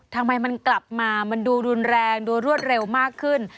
ทำไมมันกลับมามันดูรุนแรงดูรวดเร็วมากขึ้น